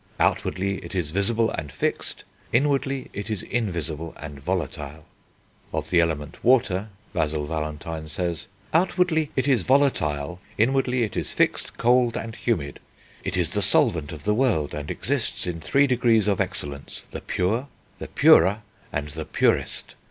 Outwardly it is visible and fixed, inwardly it is invisible and volatile." Of the element Water, Basil Valentine says: "Outwardly it is volatile, inwardly it is fixed, cold, and humid.... It is the solvent of the world, and exists in three degrees of excellence: the pure, the purer, and the purest.